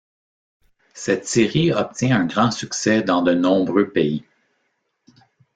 Cette série obtient un grand succès dans de nombreux pays.